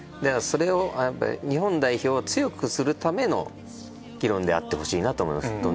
それを日本代表を強くするための議論であってほしいなと思います。